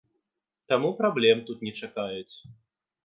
Таму праблем тут не чакаюць.